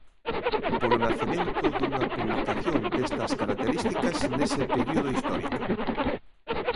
Polo nacemento dunha publicación destas características nese período histórico.